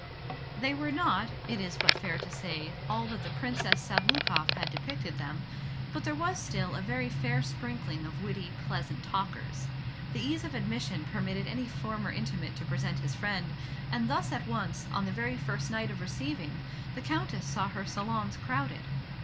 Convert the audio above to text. They were not, it is but fair to say, all that the Princess Sabloukoff had depicted them; but there was still a very fair sprinkling of witty, pleasant talkers. The ease of admission permitted any former intimate to present his friend, and thus at once, on the very first night of receiving, the Countess saw her salons crowded.